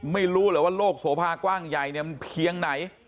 ไม่รู้เลยว่าโลกโสภาคว่างใหญ่มันเพียงไหน